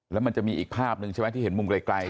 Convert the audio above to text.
แล้วมันจะมีอีกภาพนึงใช่มั้ยที่เห็นมุมไกลใช่มั้ย